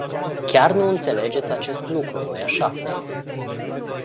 Chiar nu înțelegeți acest lucru, nu-i așa?